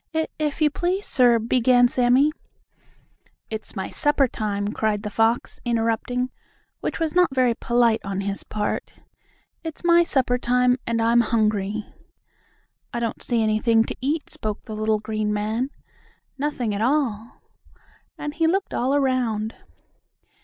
"If if you please, sir," began Sammie. "It's my supper time!" cried the fox, interrupting, which was not very polite on his part. "It's my supper time, and I'm hungry." "I don't see anything to eat," spoke the little green man. "Nothing at all," and he looked all around.